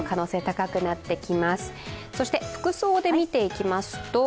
服装で見ていきますと？